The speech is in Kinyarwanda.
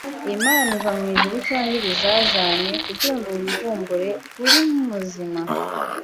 Impano iva mwijuru cyangwa ibizazane kugirango wivumbure uri muzima